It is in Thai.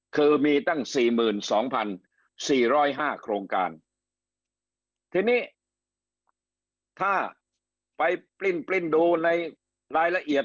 คือมีตั้ง๔๒๔๐๕โครงการที่นี้ถ้าไปปริ้นดูในรายละเอียด